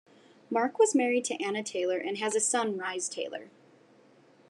Mark was married to Anna Taylor and has a son Rhys Taylor.